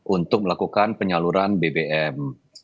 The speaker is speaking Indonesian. untuk melakukan penyaluran bbm